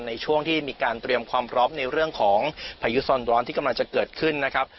ในช่วงที่มีการเตรียมความพร้อมในเรื่องของพายุซ้อนร้อนที่กำลังจะเกิดขึ้นนะครับ